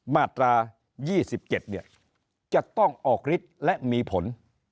มาตรา๒๗จะต้องออกฤทธิ์และมีผล